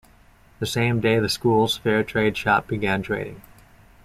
The same day the school's fair trade shop began trading.